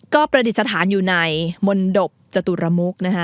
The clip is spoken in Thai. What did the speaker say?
ก็ประดิษฐานอยู่ในมนตบจตุรมุกนะคะ